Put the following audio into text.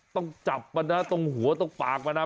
ต้องจับมันนะตรงหัวตรงปากมันนะ